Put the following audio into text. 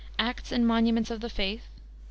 Acts and Monuments of the Faith; VI.